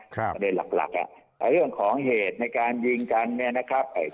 ประเด็นหลักเรื่องของเหตุในการยิงกันเนี่ยนะครับ